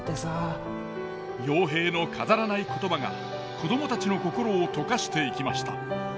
陽平の飾らない言葉が子どもたちの心を溶かしていきました。